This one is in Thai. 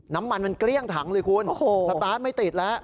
น้ำมันมันเกลี้ยงถังเลยคุณสตาร์ทไม่ติดแล้ว